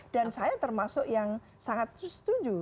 dan saya termasuk yang sangat setuju